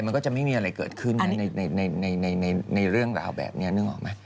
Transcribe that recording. มันก็จะไม่มีอะไรเกิดขึ้นนะในเรื่องราวแบบนี้นึกออกไหม